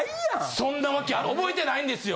そんな訳ある覚えてないんですよ。